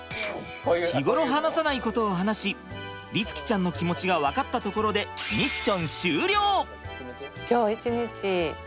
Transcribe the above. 日頃話さないことを話し律貴ちゃんの気持ちが分かったところでミッション終了。